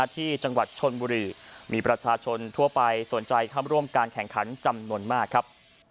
ที่จังหวัดชนบุรีมีประชาชนทั่วไปสนใจเข้าร่วมการแข่งขันจำนวนมากครับ